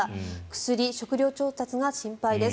薬、食料調達が心配です。